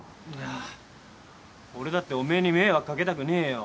あー俺だっておめえに迷惑かけたくねえよ。